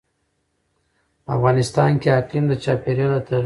افغانستان کې اقلیم د چاپېریال د تغیر نښه ده.